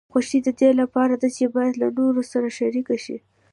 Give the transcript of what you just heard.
خوښي د دې لپاره ده چې باید له نورو سره شریکه شي.